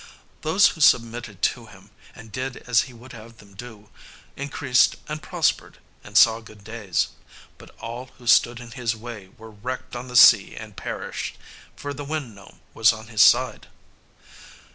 Those who submitted to him, and did as he would have them do, increased and prospered, and saw good days; but all who stood in his way were wrecked on the sea and perished, for the Wind Gnome was on his side.